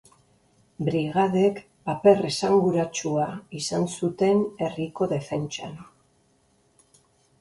Brigadek paper esanguratsua izan zuten herriko defentsan.